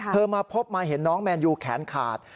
มาพบมาเห็นน้องแมนยูแขนขาด